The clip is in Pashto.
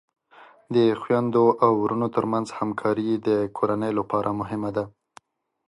د خویندو او ورونو ترمنځ همکاری د کورنۍ لپاره مهمه ده.